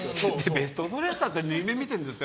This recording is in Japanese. ベストドレッサーって縫い目見てるんですか？